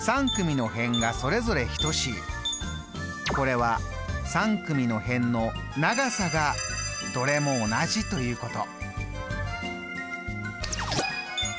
これは３組の辺の長さがどれも同じということ。